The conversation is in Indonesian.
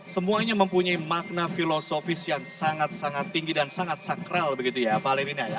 semuanya mempunyai makna filosofis yang sangat sangat tinggi dan sangat sakral begitu ya pak lenina ya